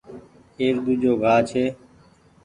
ايڪ ۮوجھو گآه ڇي۔